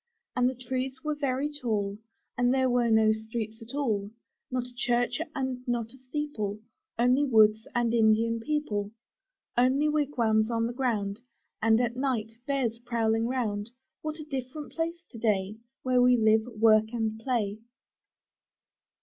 And the trees were very tall, And there were no streets at all, Not a church and not a steeple — Only woods and Indian people. Only wigwams on the ground, And at night bears prowling round What a different place to day Where we live and work and play!